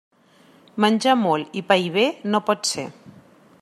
Menjar molt i pair bé no pot ser.